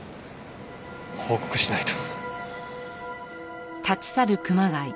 報告しないと。